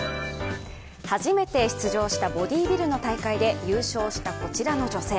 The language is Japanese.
初めて出場したボディビルの大会で優勝した、こちらの女性。